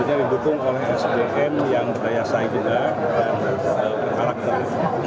ini didukung oleh sdm yang berdaya saing juga dan berkarakter